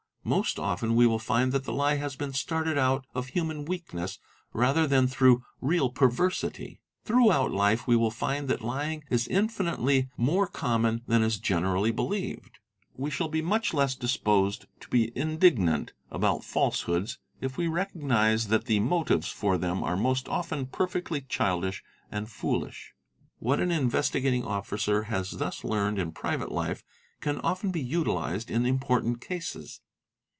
Most often we will find that the lie has been started out of human weak ness rather than through real perversity. Throughout life we will find that lying is infinitel¥ more common than is generally believed. We shall be much less disposed to be indignant about falsehoods if we re cognise that the motives for them are most often perfectly childish and foolish. What an Investigating Officer has thus learned in private life can often be utilised in important cases.